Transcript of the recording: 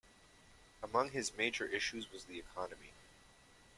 Among his major issues was the economy.